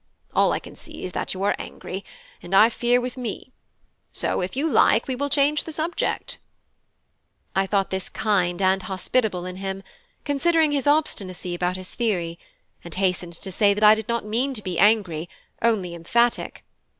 All I can see is that you are angry, and I fear with me: so if you like we will change the subject." I thought this kind and hospitable in him, considering his obstinacy about his theory; and hastened to say that I did not mean to be angry, only emphatic.